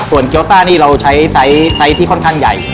ส่วนเกี้ยวซ่านี่เราใช้ไซส์ที่ค่อนข้างใหญ่